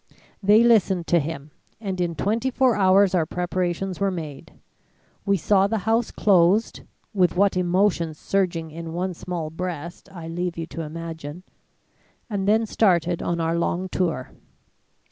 They listened to him and in twenty four hours our preparations were made. We saw the house closed with what emotions surging in one small breast, I leave you to imagine and then started on our long tour.